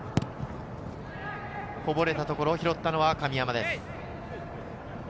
こぼれたところ拾ったのは神山です。